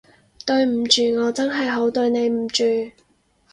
對唔住，我真係好對你唔住